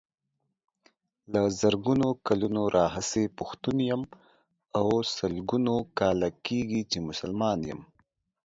له زرګونو کلونو راهيسې پښتون يم او سلګونو کاله کيږي چې مسلمان يم.